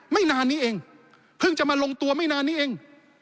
ไม่นานนี้เองเพิ่งจะมาลงตัวไม่นานนี้เอง